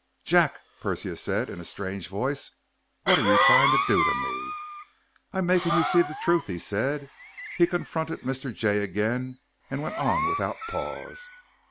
"Jack," Persia said in a strange voice, "what are you trying to do to me?" "I'm making you see the truth," he said. He confronted Mr. Jay again and went on without pause.